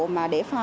mà để pha